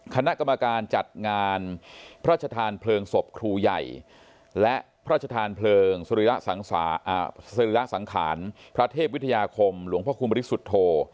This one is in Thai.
คณะกรรมการจัดงานพระชธานเพลิงศพครูใหญ่และพระชธานเพลิงสรีระสังขารพระเทพวิทยาคมหลวงพระคุณบริสุทธโธ